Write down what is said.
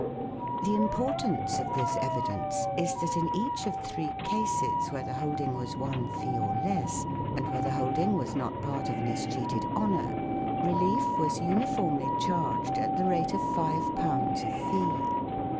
The importance of this evidence is that in each of three cases where the holding was one fee or less, and where the holding was not part of an escheated honour, relief was uniformly charged at the rate of $ a fee.